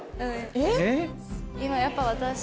えっ？